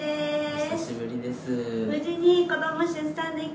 お久しぶりです。